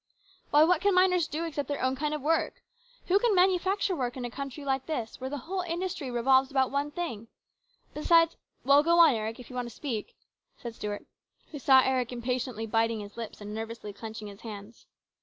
" Why, what can miners do except their own kind of work ? Who can manufacture work in a country like this, where the whole industry revolves about one 202 HIS BROTHER'S KEEPER. thing? Besides well, go on, Eric, if you want to speak," said Stuart, who saw Eric impatiently biting his lips and nervously clenching his hands.